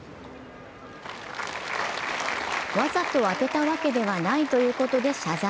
わざと当てたわけではないということで謝罪。